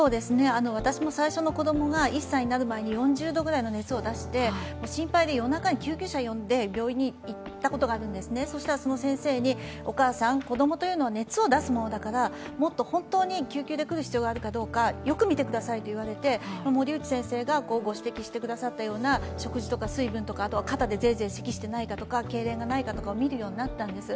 私も最初の子供が１歳になる前に４０度ぐらいの熱を出して、心配で夜中に救急車を呼んで病院に行ったことがあるんですね、そしたらその先生にお母さん、子供というのは熱を出すものだからもっと本当に救急で来る必要があるかどうかよく見てくださいと言われて森内先生がご指摘してくださったような、食事とか、水分とか、肩でゼーゼーせきしていないかとかけいれんがないかとかを見るようになったんです。